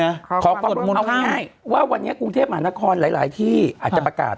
เอาง่ายว่าวันนี้กรุงเทพฯหมานครหลายที่อาจจะประกาศ